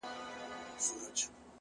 هغه نجلۍ چي ژاړي هاغه د حوا په ښايست